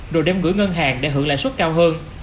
rồi đem gửi ngân hàng để hưởng lãi suất cao hơn